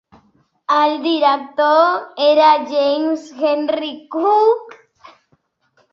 El director era James Henry Cook.